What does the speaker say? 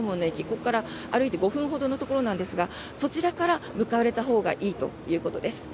ここから歩いて５分ほどのところなんですがそちらから向かわれたほうがいいということです。